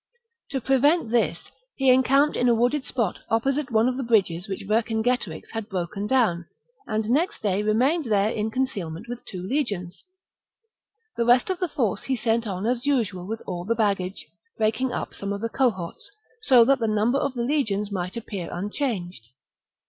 To pre AUierbya vent this, he encamped in a wooded spot opposite stratagem, ^^^^^^^^ bodges which Vcrcingetorix had broken down, and next day remained there in concealment with two legions ; the rest of the force he sent on as usual with all the baggage, breaking up some of the cohorts,^ so that the number of the legions might appear unchanged.